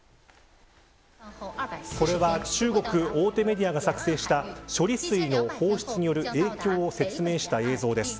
これは中国大手メディアが作成した処理水の放出による影響を説明した映像です。